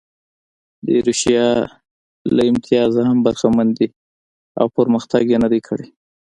د ایروشیا له امتیازه هم برخمن دي او پرمختګ یې نه دی کړی.